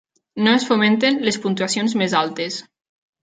No es fomenten les puntuacions més altes.